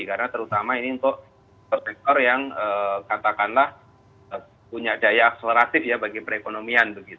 karena terutama ini untuk investor yang katakanlah punya daya akseleratif ya bagi perekonomian begitu